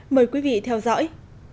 mời quý vị theo dõi